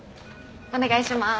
お願いします。